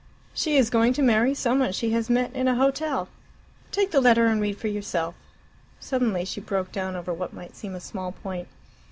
She is going to marry some one she has met in a hotel. Take the letter and read for yourself." Suddenly she broke down over what might seem a small point.